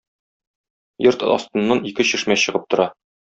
Йорт астыннан ике чишмә чыгып тора.